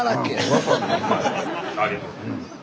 ありがとうございます。